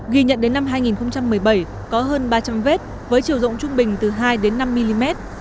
ghi nhận đến năm hai nghìn một mươi bảy có hơn ba trăm linh vết với chiều rộng trung bình từ hai đến năm mm